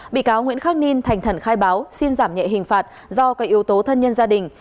bị cáo nguyễn khắc ninh thành khẩn khai báo xin giảm nhẹ hình phạt do các yếu tố thân nhân gia đình